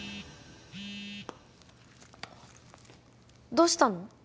どうしたの？